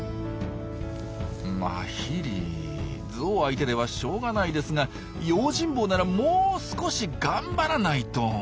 マヒリゾウ相手ではしょうがないですが用心棒ならもう少し頑張らないと！